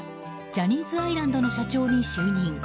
ジャニーズアイランドの社長に就任。